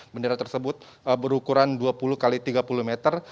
bendera tersebut berukuran dua puluh x tiga puluh meter